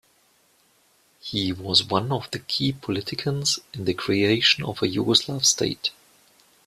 He was one of the key politicians in the creation of a Yugoslav state.